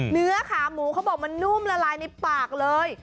เนื้อขาหมูเขาบอกมันนุ่มละลายในปากเลย